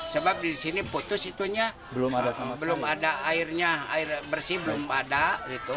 sebab di sini putus itunya belum ada airnya air bersih belum ada